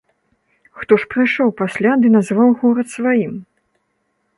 Хто ж прыйшоў пасля ды назваў горад сваім?